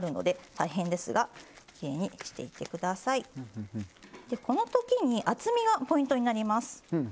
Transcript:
でこのときに厚みがポイントになります。